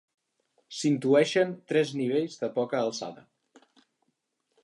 S'intueixen tres nivells de poca alçada.